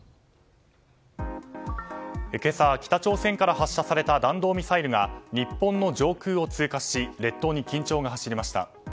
今朝、北朝鮮から発射された弾道ミサイルが日本の上空を通過し列島に緊張が走りました。